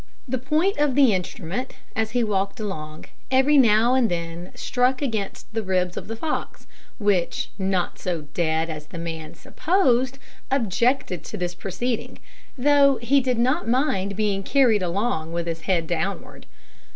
The point of the instrument, as he walked along, every now and then struck against the ribs of the fox, which, not so dead as the man supposed, objected to this proceeding, though he did not mind being carried along with his head downward.